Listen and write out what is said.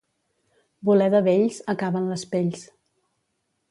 Voler de vells, acaba en les pells.